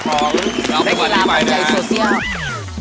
ของแรกอีลาของใจโซเชียล